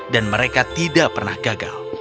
dan mereka tidak pernah gagal